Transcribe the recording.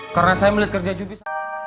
karena saya melihat kerja jukis